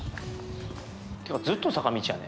今日はずっと坂道やね。